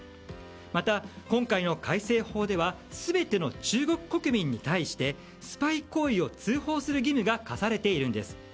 また、今回の改正法では全ての中国国民に対してスパイ行為を通報する義務が課されているんです。